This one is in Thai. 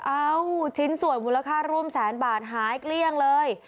เอ้าชิ้นส่วนมูลค่าร่วมแสนบาทหายเกลี้ยงเลย